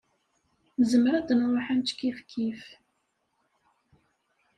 Nezmer ad nṛuḥ ad nečč kifkif.